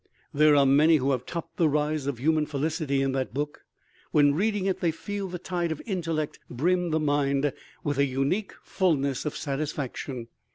There are many who have topped the rise of human felicity in that book: when reading it they feel the tide of intellect brim the mind with a unique fullness of satisfaction.